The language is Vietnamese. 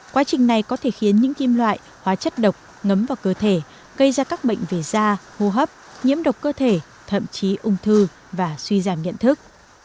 quá trình này có thể khiến những kim loại hóa chất độc ngấm vào cơ thể gây ra các bệnh về da hô hấp nhiễm độc cơ thể thậm chí ung thư và suy giảm nhận thức